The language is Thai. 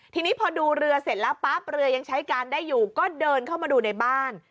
ทีนี้พอดูเรือเสร็จแล้วปั๊บเรือยังใช้การได้อยู่ก็เดินเข้ามาดูในบ้าน